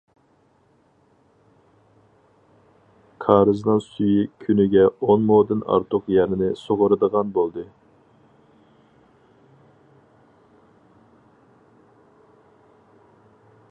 كارىزنىڭ سۈيى كۈنىگە ئون مودىن ئارتۇق يەرنى سۇغىرىدىغان بولدى.